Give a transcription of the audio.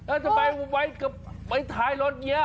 เอ๊ะทำไมไว้กับไว้ท้ายรถเงี้ยเหรอ